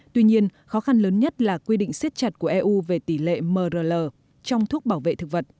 tuy nhiên khó khăn lớn nhất là quy định siết chặt của eu về tỷ lệ mrl trong thuốc bảo vệ thực vật